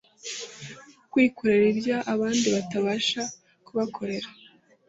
kwikorera ibyo abandi batabasha kubakorera